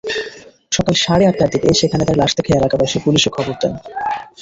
সকাল সাড়ে আটটার দিকে সেখানে তার লাশ দেখে এলাকাবাসী পুলিশে খবর দেন।